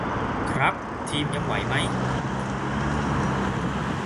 ครับ ทีมยังไหวไหม